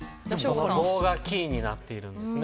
棒がキーになっているんです。